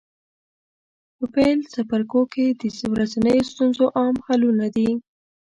په پیل څپرکو کې د ورځنیو ستونزو عام حلونه دي.